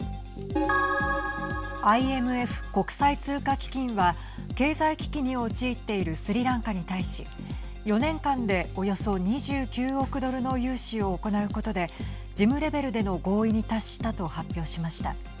ＩＭＦ＝国際通貨基金は経済危機に陥っているスリランカに対し４年間で、およそ２９億ドルの融資を行うことで事務レベルでの合意に達したと発表しました。